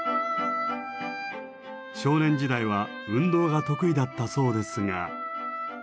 少年時代は運動が得意だったそうですが。